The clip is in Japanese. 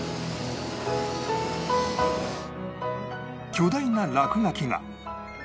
巨大な落書きが